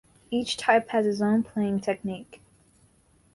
Each type has its own playing technique.